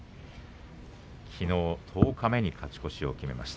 きのう十日目に勝ち越しを決めました。